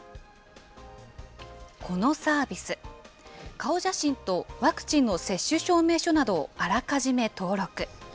このサービス、顔写真とワクチンの接種証明書などをあらかじめ登録。